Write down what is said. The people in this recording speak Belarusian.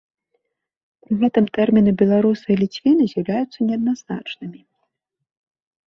Пры гэтым тэрміны беларусы і ліцвіны з'яўляюцца неадназначнымі.